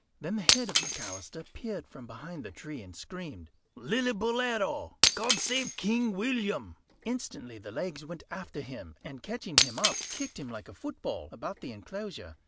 Then the head of McAlister peered from behind the tree, and screamed "Lillibulero! God save King William!" Instantly the legs went after him, and catching him up kicked him like a football about the enclosure.